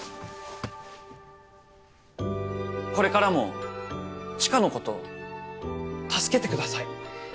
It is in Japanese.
これからも知花のこと助けてください。